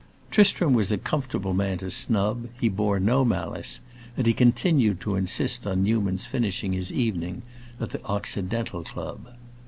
Tristram was a comfortable man to snub, he bore no malice, and he continued to insist on Newman's finishing his evening at the Occidental Club.